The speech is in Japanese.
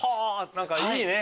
何かいいね！